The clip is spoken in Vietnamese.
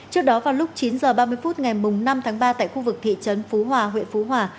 trước đó vào lúc chín h ba mươi phút ngày năm tháng ba tại khu vực thị trấn phú hòa huyện phú hòa